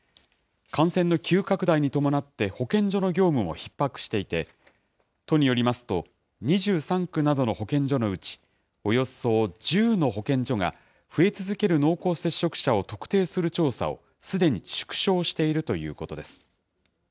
感染の急拡大に伴って、保健所の業務もひっ迫していて、都によりますと、２３区などの保健所のうち、およそ１０の保健所が、増え続ける濃厚接触者を特定する調査をすでに縮小しているということです。